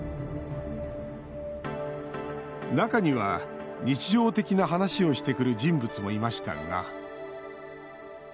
中には日常的な話をしてくる人物もいましたが。